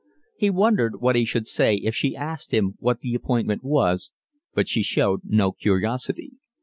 He wondered what he should say if she asked him what the appointment was, but she showed no curiosity.